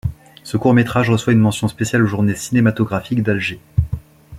Ce court-métrage reçoit une mention spéciale aux Journées cinématographiques d’Alger.